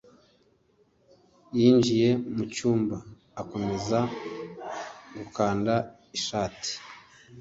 yinjiye mu cyumba, akomeza gukanda ishati.